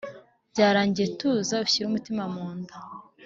byarangiye tuza ushyire umutima munda"